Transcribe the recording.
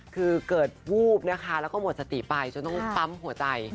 คือเกิดวูบนะคะแล้วก็หมดสติไปจนต้องปั๊มหัวใจ